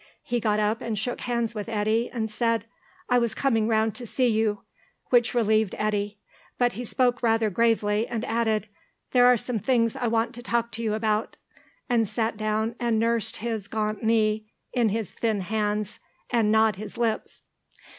He got up and shook hands with Eddy, and said, "I was coming round to see you," which relieved Eddy. But he spoke rather gravely, and added, "There are some things I want to talk to you about," and sat down and nursed his gaunt knee in his thin hands and gnawed his lips.